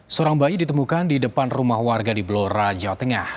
seorang bayi ditemukan di depan rumah warga di blora jawa tengah